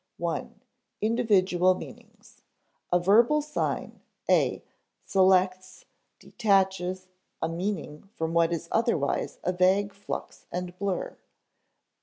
I. Individual Meanings. A verbal sign (a) selects, detaches, a meaning from what is otherwise a vague flux and blur (see p.